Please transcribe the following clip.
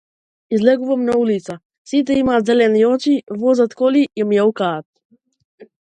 Излегувам на улица, сите имаат зелени очи, возат коли и мјаукаат.